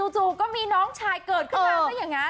จู่ก็มีน้องชายเกิดเกิดคือกัน